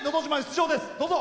出場です。